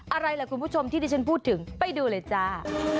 อะไรล่ะคุณผู้ชมที่ที่ฉันพูดถึงไปดูเลยจ้า